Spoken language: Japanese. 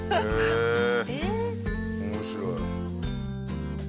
へえー面白い。